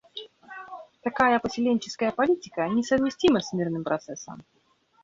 Такая поселенческая политика не совместима с мирным процессом.